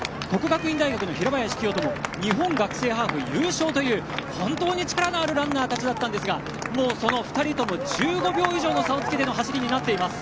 國學院大學の平林清澄も日本学生ハーフ優勝という本当に力のあるランナーたちだったんですがその２人とも１５秒以上の差をつけての走りになっています。